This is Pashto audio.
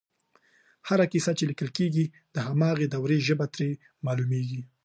هره کیسه چې لیکل کېږي د هماغې دورې ژبه ترې معلومېږي